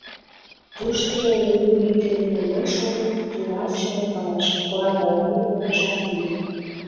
Туштыжо леве вӱд дене мыняр шонет, тунар чывылтылаш, орадыланен модашат лийын.